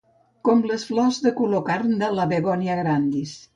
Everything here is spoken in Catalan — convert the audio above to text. Com les flors de color carn de la 'Begonia grandis'.